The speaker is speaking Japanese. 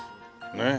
ねえ。